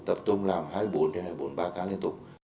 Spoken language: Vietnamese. tập trung làm hai mươi bốn trên hai mươi bốn ba cá liên tục